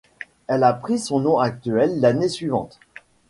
Elle a pris son nom actuel l’année suivante.